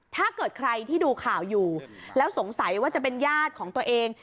ถ้าเกิดใครที่ดูข่าวอยู่แล้วสงสัยว่าจะเป็นญาติของตัวเอง